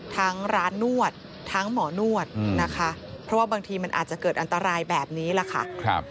ทั้งร้านนวดทั้งหมอนวดนะคะเพราะว่าบางทีมันอาจจะเกิดอันตรายแบบนี้แหละค่ะ